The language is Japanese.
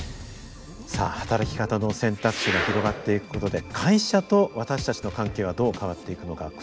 さあ働き方の選択肢が広がっていくことで会社と私たちの関係はどう変わっていくのか。